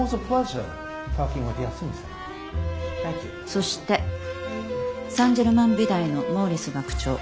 そしてサンジェルマン美大のモーリス学長。